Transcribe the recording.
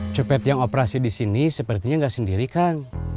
copet yang operasi di sini sepertinya nggak sendiri kang